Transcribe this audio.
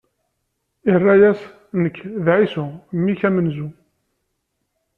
Irra-yas: Nekk, d Ɛisu, mmi-k amenzu.